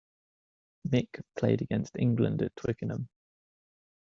Mick played against England at Twickenham.